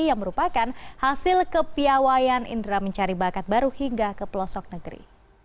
yang merupakan hasil kepiawayan indra mencari bakat baru hingga ke pelosok negeri